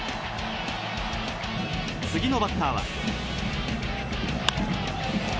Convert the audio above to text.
次のバッターは。